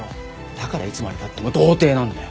だからいつまでたっても童貞なんだよ。